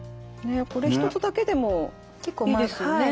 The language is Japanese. これ一つだけでもいいですよね。